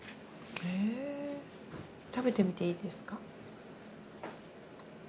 へ食べてみていいですか。